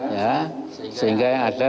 ya sehingga yang ada